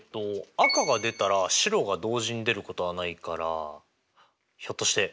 赤が出たら白が同時に出ることはないからひょっとしてあれですね！？